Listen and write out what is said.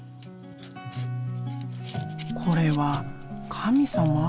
これは神様？